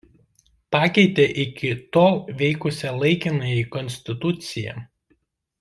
Pakeitė iki tol veikusią laikinąją Konstituciją.